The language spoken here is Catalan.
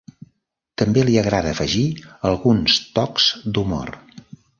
També li agrada afegir alguns tocs d'humor.